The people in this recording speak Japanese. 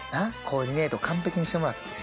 コーディネート完璧にしてもらって。